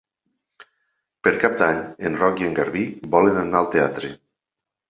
Per Cap d'Any en Roc i en Garbí volen anar al teatre.